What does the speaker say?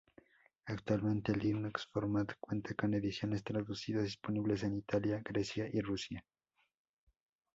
Actualmente "Linux Format" cuenta con ediciones traducidas disponibles en Italia, Grecia y Rusia.